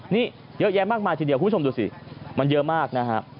นี่เยอะแยะมากมายทีเดียวคุณผู้ชมดูสิมันเยอะมากนะฮะ